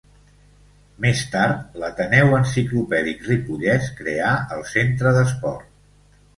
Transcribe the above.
Més tard l'Ateneu Enciclopèdic Ripollès creà el Centre d'Esport.